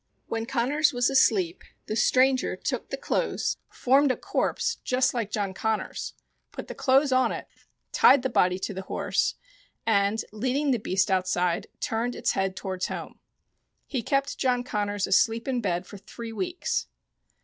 When Connors was asleep the stranger took the clothes, formed a corpse just like John Connors, put the clothes on it, tied the body to the horse, and leading the beast outside, turned its head towards home. He kept John Connors asleep in bed for three weeks.